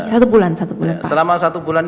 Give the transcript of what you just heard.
satu bulan satu bulan selama satu bulan